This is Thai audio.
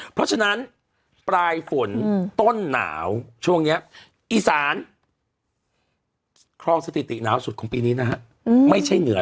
เพราะฉะนั้นปลายฝนต้นหนาวช่วงนี้